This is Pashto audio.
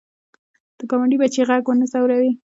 د ګاونډي بچي غږ ونه ځوروې